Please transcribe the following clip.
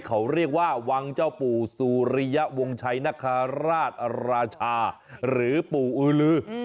คือเป็นปวกราชาหรือปู่อึงลือ